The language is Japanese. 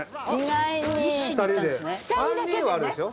２人で３人はあるでしょ。